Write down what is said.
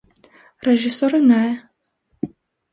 Ռեժիսորը ն է։